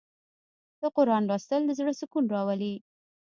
د قرآن لوستل د زړه سکون راولي.